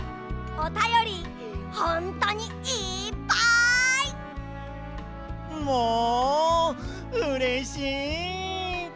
おたよりホントにいっぱい！もうれしい。